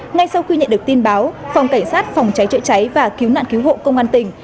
ngay sau khi nhận được tin báo phòng cảnh sát phòng cháy chữa cháy và cứu nạn cứu hộ công an tỉnh